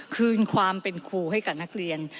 คืนความเป็นครูให้กับนักเรียน